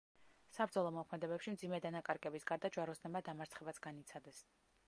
საბრძოლო მოქმედებებში მძიმე დანაკარგების გარდა ჯვაროსნებმა დამარცხებაც განიცადეს.